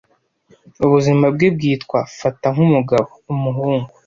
Ubuzima bwe bwitwa "Fata nkumugabo" Umuhungu